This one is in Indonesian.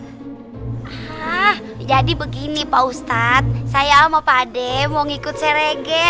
hah jadi begini pak ustadz saya sama pak ade mau ngikut si rege